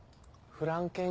フランケン！